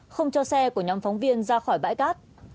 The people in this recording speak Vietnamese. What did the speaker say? không cho xe của nhóm phóng viên ra khỏi bãi cát